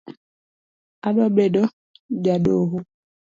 Adwa bedo jadoho